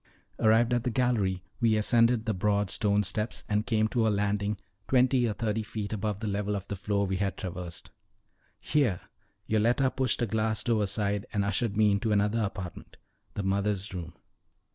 Arrived at the end of the gallery, we ascended the broad stone steps, and came to a landing twenty or thirty feet above the level of the floor we had traversed. Here Yoletta pushed a glass door aside and ushered me into another apartment the Mother's Room.